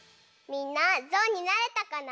みんなぞうになれたかな？